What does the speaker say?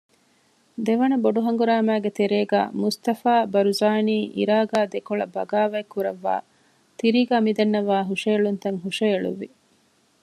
ދެވަނަ ބޮޑު ހަނގުރާމައިގެ ތެރޭގައި މުޞްޠަފާ ބަރުޒާނީ ޢިރާޤާ ދެކޮޅަށް ބަޣާވާތް ކުރައްވައި ތިރީގައި މިދަންނަވާ ހުށަހެޅުންތައް ހުށަހެޅުއްވި